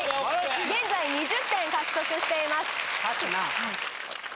現在２０点獲得しています。